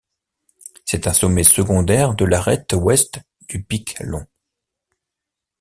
C'est un sommet secondaire de l'arête ouest du Pic Long.